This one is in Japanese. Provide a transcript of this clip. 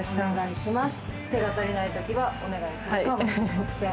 手が足りないときはお願いするかもしれません。